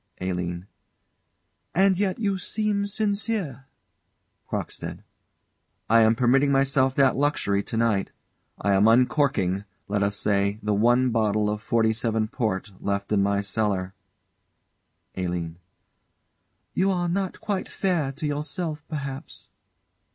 ALINE. And yet you seem sincere. CROCKSTEAD. I am permitting myself that luxury to night. I am uncorking, let us say, the one bottle of '47 port left in my cellar. ALINE. You are not quite fair to yourself, perhaps.